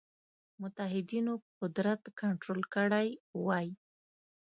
متحدینو قدرت کنټرول کړی وای.